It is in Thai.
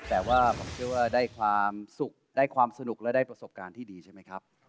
แต่ว่าผมเชื่อว่าได้ความสุขได้ความสนุกและได้ประสบการณ์ที่ดีใช่ไหมครับ